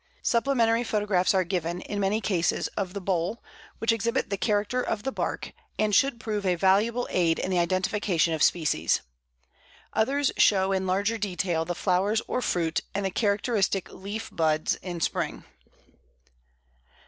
Supplementary photographs are given, in many cases, of the bole, which exhibit the character of the bark, and should prove a valuable aid in the identification of species. Others show in larger detail the flowers or fruit, and the characteristic leaf buds in spring.